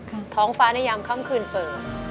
ทั้งในเรื่องของการทำงานเคยทำนานแล้วเกิดปัญหาน้อย